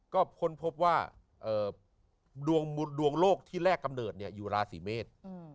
ก็ค้นพบว่าดวงโลกที่แรกกำเนิดอยู่ราศีเมษ